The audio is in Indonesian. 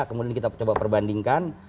kemudian kita coba perbandingkan